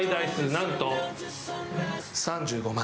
なんと３５万。